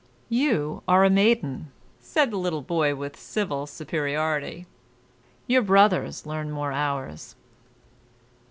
"You are a maiden," said the little boy with civil superiority; "your brothers learn more hours."